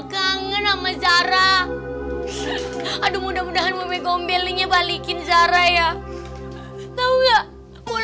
kita jalan sama sama aja yuk